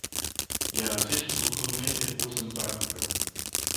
Iar acest lucru nu este pus în practică.